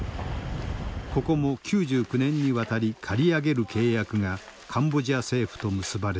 ここも９９年にわたり借り上げる契約がカンボジア政府と結ばれている。